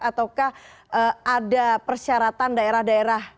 ataukah ada persyaratan daerah daerah